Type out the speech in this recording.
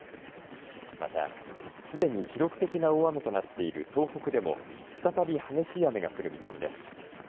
また、すでに記録的な大雨となっている東北でも再び激しい雨が降る見込みです。